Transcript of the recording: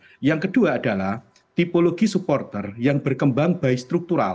tipologi ini bisa dikira sebagai tipologi supporter yang berkembang by struktural